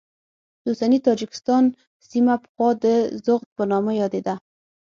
د اوسني تاجکستان سیمه پخوا د سغد په نامه یادېده.